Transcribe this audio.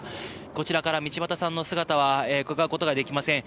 こちらから道端さんの姿はうかがうことはできません。